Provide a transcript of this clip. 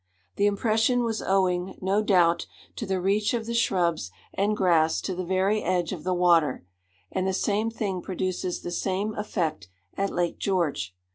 The impression was owing, no doubt, to the reach of the shrubs and grass to the very edge of the water; and the same thing produces the same effect at Lake George.